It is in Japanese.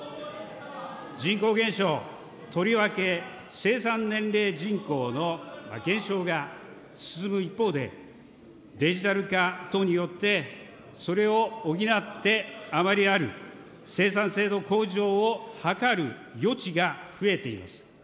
人口減少、とりわけ生産年齢人口の減少が進む一方で、デジタル化等によって、それを補って余りある生産性の向上を図る余地が増えています。